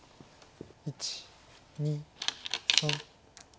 １２３。